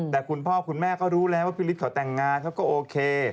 แต่คุณพ่อคุณแม่ก็รู้แล้วว่าพี่ฤทธิเขาแต่งงานเขาก็โอเค